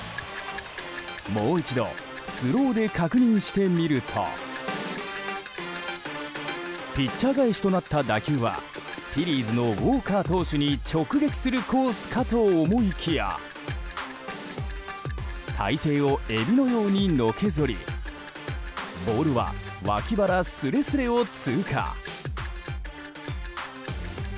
もう一度スローで確認してみるとピッチャー返しとなった打球はフィリーズのウォーカー投手に直撃するコースかと思いきや体勢をエビのようにのけぞりボールは脇腹すれすれを通過。